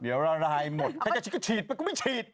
เดี๋ยวละลายหมดใครจะฉีดก็ฉีดไปก็ไม่ฉีด